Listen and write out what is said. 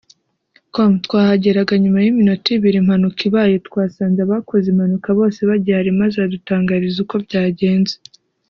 com twahageraga nyuma y’iminota ibiri impanuka ibaye twasanze abakoze impanuka bose bagihari maze badutangariza uko byagenze